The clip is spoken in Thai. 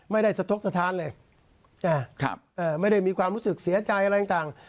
ไม่ได้สะทกสถานเลยไม่ได้มีความรู้สึกเสียใจอะไรต่าง